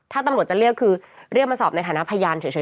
ถ้าตำรวจจะเรียกคือเรียกมาสอบในฐานะพยานเฉย